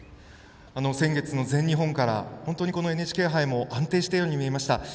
先月の全日本から本当にこのＮＨＫ杯も安定していたように見えました。